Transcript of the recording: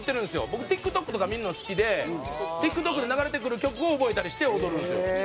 僕ティックトックとか見るの好きでティックトックで流れてくる曲を覚えたりして踊るんですよ。